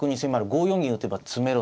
５四銀打てば詰めろ